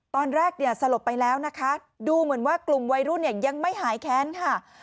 ตอนแรกเนี่ยสลบไปแล้วนะคะดูเหมือนว่ากลุ่มวัยรุ่นเนี่ยยังไม่หายแค้นค่ะ